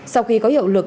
sau khi có hiệu lực